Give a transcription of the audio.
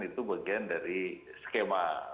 itu bagian dari skema